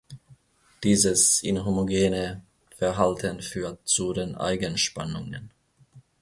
Dieses inhomogene Verhalten führt zu den Eigenspannungen.